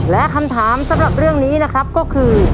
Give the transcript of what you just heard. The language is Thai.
และคำถามสำหรับเรื่องนี้นะครับก็คือ